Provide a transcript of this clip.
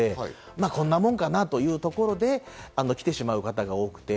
まぁこんなもんかなというところで来てしまう方が多くて。